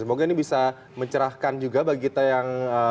semoga ini bisa mencerahkan juga bagi kita yang